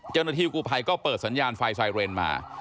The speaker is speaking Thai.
เจ้าหน้าที่กู้ไภก็เปิดสัญญาณไฟไซเรนด์มา